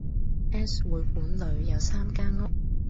S 會館裏有三間屋，